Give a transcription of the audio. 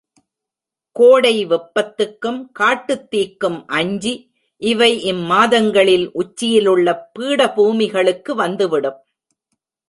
கோடை வெப்பத்துக்கும், காட்டுத் தீக்கும் அஞ்சி இவை இம் மாதங்களில் உச்சியிலுள்ள பீடபூமிகளுக்கு வந்துவிடும்.